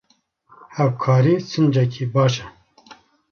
Hevkarî sincekî baş e.